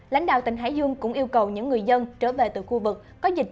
lãnh đạo tp hcm cũng yêu cầu những người dân trở về từ khu vực có dịch